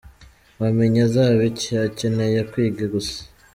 Wamenya azaba iki? akeneye kwiga gusa.